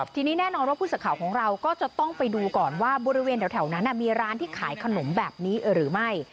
ทีนี้แน่นอนว่าผู้สื่อข่าวของเราก็จะต้องไปดูก่อนว่าบริเวณแถวนั้นมีร้านที่ขายขนมแบบนี้หรือไม่